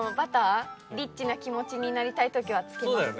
リッチな気持ちになりたいときはつけます。